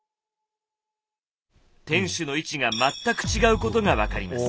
天守の位置が全く違うことが分かります。